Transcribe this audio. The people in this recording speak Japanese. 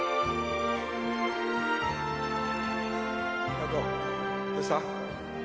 実那子どうした？